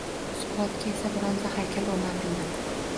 Suqrotga esa bronza haykal o‘rnatildi